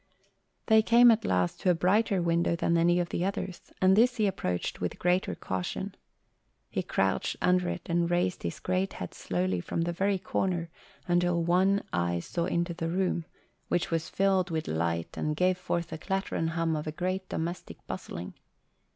They came at last to a brighter window than any of the others, and this he approached with greater caution. He crouched under it and raised his great head slowly from the very corner until one eye saw into the room, which was filled with light and gave forth the clatter and hum of a great domestic bustling.